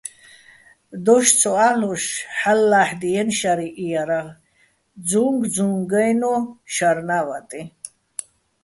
დოშ ცო ა́ლ'ოშ ჰ̦ალო̆ ლა́ჰ̦დიენი̆ შარიჼ იარაღი, ძუჼგძუჼგაჲნო̆ შარნა́ ვატიჼ.